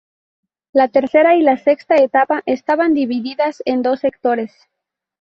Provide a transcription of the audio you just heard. La tercera y la sexta etapa estaban divididas en dos sectores.